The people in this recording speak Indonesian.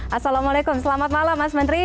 assalamualaikum selamat malam mas menteri